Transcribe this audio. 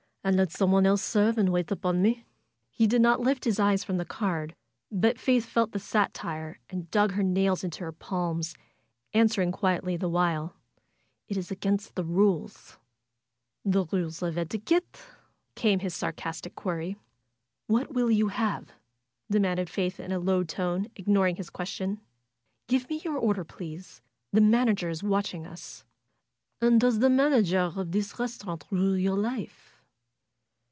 "And let someone else serve and wait upon me?" He did not lift his eyes from the card; but Faith felt the satire and dug her nails into her palms, answer ing quietly the while: "It is against the rules." "The rules of etiquette?" came his sarcastic query. "What will you have?" demanded Faith in a low tone, ignoring his question. "Give me your order, please. The manager is watching us." "And does the manager of this restaurant rule your life?"